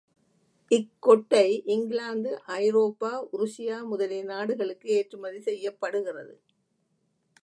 இக்கொட்டை இங்கிலாந்து, ஐரோப்பா, உருசியா முதலிய நாடுகளுக்கு ஏற்றுமதி செய்யப்படுகிறது.